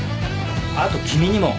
あと君にも。